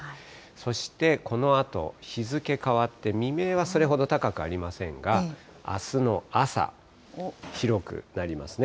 そして、このあと、日付変わって、未明はそれほど高くありませんが、あすの朝、広くなりますね。